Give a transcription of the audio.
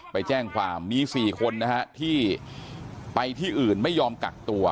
ไปแจ้งความมี๔คนนะฮะที่ไปที่อื่นไม่ยอมกักตัว